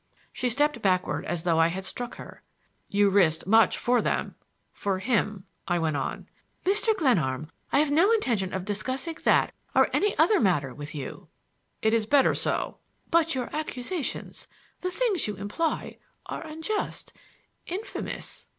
She stepped backward as though I had struck her. "You risked much for them—for him"—I went on. "Mr. Glenarm, I have no intention of discussing that, or any other matter with you—" "It is better so—" "But your accusations, the things you imply, are unjust, infamous!"